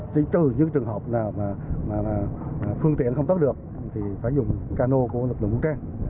chỉ trừ những trường hợp nào mà phương tiện không tốt được thì phải dùng cano của lực lượng vũ trang